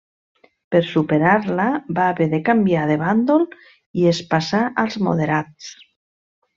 Per superar-la va haver de canviar de bàndol i es passà als moderats.